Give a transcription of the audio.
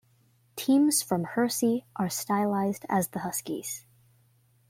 Teams from Hersey are stylized as the Huskies.